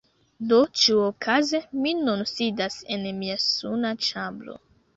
Do ĉiuokaze mi nun sidas en mia suna ĉambro